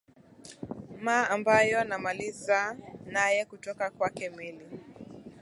ma ambayo namaliza naye kutoka kwake meli